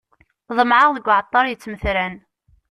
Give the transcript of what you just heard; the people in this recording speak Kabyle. Ḍemεeɣ deg uεeṭṭar yettmetran.